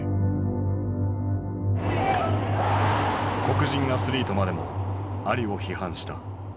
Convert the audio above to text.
黒人アスリートまでもアリを批判した。